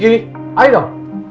ayo innungku disini dong